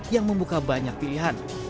yang membuka banyak pilihan